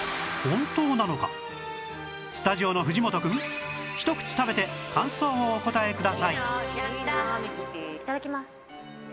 スタジオの藤本くんひと口食べて感想をお答えくださいいただきます。